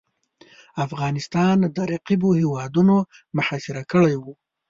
افغانستان د رقیبو هیوادونو محاصره کړی وو.